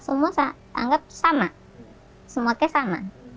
semua saya anggap sama semuanya sama